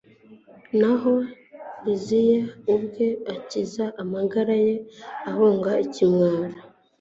naho liziya ubwe akiza amagara ye ahungana ikimwaro